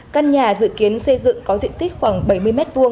căn nhà dự kiến xây dựng có diện tích khoảng bảy mươi m hai